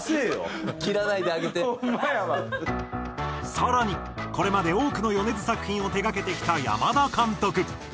更にこれまで多くの米津作品を手がけてきた山田監督。